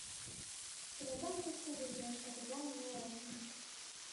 Чонетлан куштылго лиеш, капетланат неле ок лий.